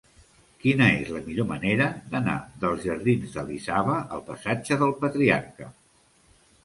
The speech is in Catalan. Quina és la millor manera d'anar dels jardins d'Elisava al passatge del Patriarca?